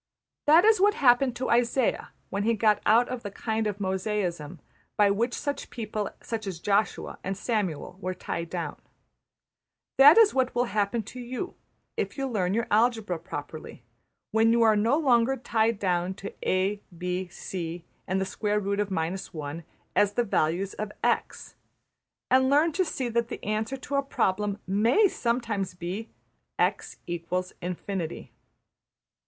That is what happened to Isaiah when he got out of the kind of Mosaism by which such people as Joshua and Samuel were tied down. That is what will happen to you (if you learn your algebra properly) when you are no longer tied down to $a$, $b$, $c$, and $\sqrt{ 1}$, as the values of $x$; and learn to see that the answer to a problem may sometimes be \begin{equation*} X = Infinity.